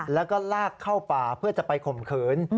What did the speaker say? แล้วก็ลากเข้าป่าเพื่อจะไปข่มขืน